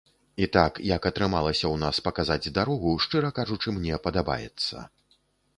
І так як атрымалася ў нас паказаць дарогу, шчыра кажучы, мне падабаецца.